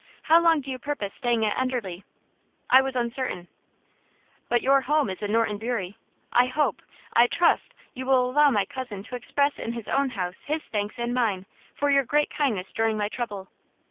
How long do you purpose staying at Enderley?" I was uncertain. "But your home is in Norton Bury? I hope I trust, you will allow my cousin to express in his own house his thanks and mine for your great kindness during my trouble?"